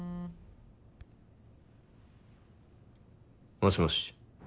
もしもし？